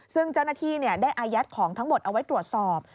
ซึ่งเจ้าหน้าที่ได้อายัดของทั้งหมดเอาไว้ตรวจสอบ